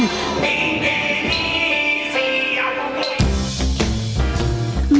ก็มีอทิศทาง